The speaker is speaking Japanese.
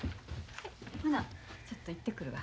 ほなちょっと行ってくるわ。